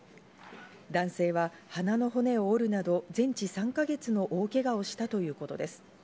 男性は鼻の骨を折るなど全治３か月の大けがをしたということです。